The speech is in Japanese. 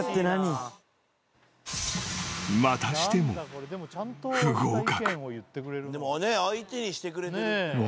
［またしても不合格］